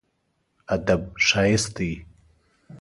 ادب ښايست دی.